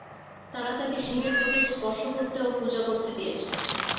তারা তাঁকে শিবের প্রতীক স্পর্শ করতে ও পূজা করতে দিয়েছে।